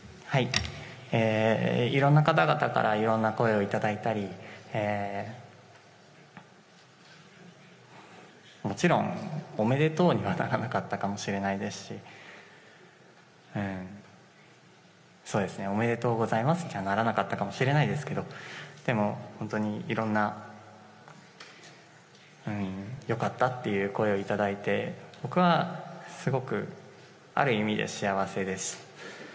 いろんな方々からいろんな声を頂いたり、もちろん、おめでとうにはならなかったかもしれないですし、そうですね、おめでとうございますとはならなかったかもしれないですけど、でも、本当にいろんな、よかったっていう声を頂いて、僕はすごく、ある意味で幸せです。